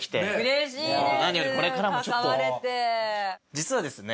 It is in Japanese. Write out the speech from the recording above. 実はですね